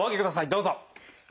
どうぞ。